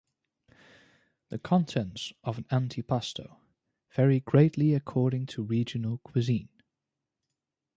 The contents of an antipasto vary greatly according to regional cuisine.